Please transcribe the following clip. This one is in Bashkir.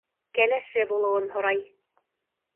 Кәләше булыуын һорай.